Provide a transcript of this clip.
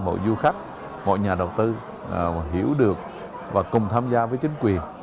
mọi du khách mọi nhà đầu tư hiểu được và cùng tham gia với chính quyền